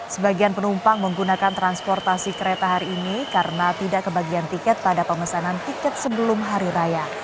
sebagian penumpang menggunakan transportasi kereta hari ini karena tidak kebagian tiket pada pemesanan tiket sebelum hari raya